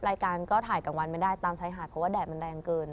รายการก็ถ่ายกลางวันไม่ได้ตามชายหาดเพราะว่าแดดมันแรงเกิน